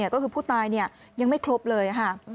ก็คือผู้ตายยังไม่ครบเลยค่ะ